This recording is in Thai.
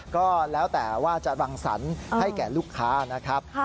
ก็แล้วแต่ว่าจะรังสรรค์ให้แก่ลูกค้านะครับ